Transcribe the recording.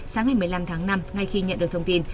sáng ngày một mươi năm tháng năm ngay khi nhận được thông tin